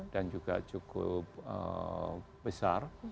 dan juga cukup besar